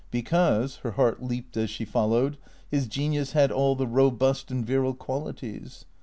Because (her heart leaped as she followed) his genius had all the robust and virile qualities.